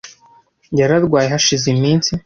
Yararwaye hashize iminsi.